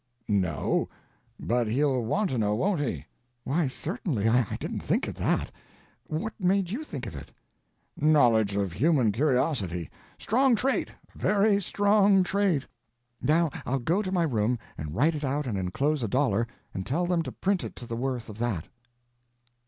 "No, but he'll want to know, won't he?" "Why, certainly—I didn't think of that. What made you think of it?" "Knowledge of human curiosity. Strong trait, very strong trait." "Now I'll go to my room and write it out and enclose a dollar and tell them to print it to the worth of that."